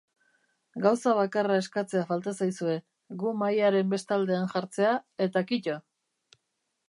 Gauza bakarra eskatzea falta zaizue, gu mahaiaren bestaldean jartzea, eta kito!